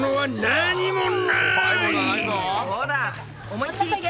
思いっきりいけ！